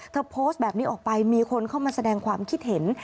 โพสต์แบบนี้ออกไปมีคนเข้ามาแสดงความคิดเห็น